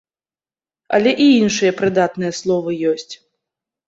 Але і іншыя прыдатныя словы ёсць.